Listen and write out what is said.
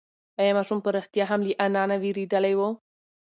ایا ماشوم په رښتیا هم له انا نه وېرېدلی و؟